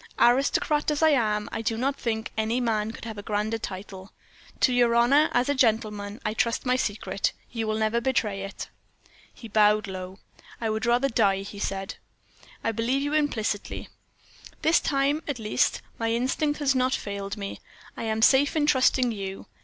Aristocrat as I am, I do not think any man could have a grander title. To your honor, as a gentleman, I trust my secret you will never betray it." He bowed low. "I would rather die," he said. "I believe you implicitly. This time, at least, my instinct has not failed me I am safe in trusting you.